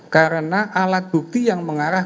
karena alat bukti yang mengarah